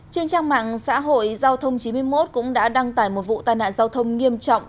trên trang mạng xã hội giao thông chín mươi một cũng đã đăng tải một vụ tai nạn giao thông nghiêm trọng